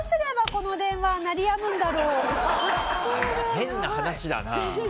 変な話だな。